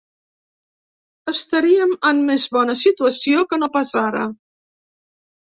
Estaríem en més bona situació que no pas ara.